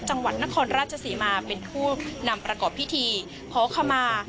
จังหวัดนครราชศรีมาเป็นผู้นำประกอบพิธีขอขมา